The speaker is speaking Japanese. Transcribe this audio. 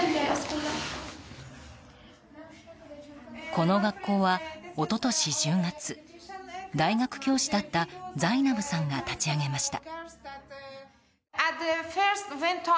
この学校は、一昨年１０月大学教師だったザイナブさんが立ち上げました。